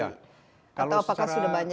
atau apakah sudah banyak yang mungkin ditambahkan